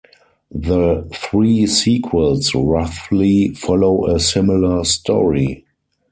The three sequels roughly follow a similar story.